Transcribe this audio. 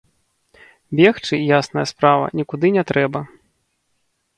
Бегчы, ясная справа, нікуды не трэба.